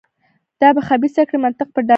دا د خبیثه کړۍ منطق په ډاګه کوي.